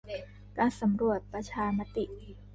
การสำรวจประชามติ